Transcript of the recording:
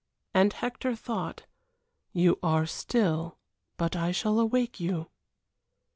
And Hector thought, "You are still, but I shall awake you."